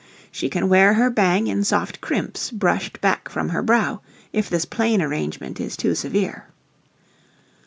She can wear her bang in soft crimps brushed back from her brow, if this plain arrangement is too severe.